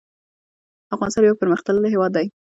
افغانستان يو پرمختللی هيواد ده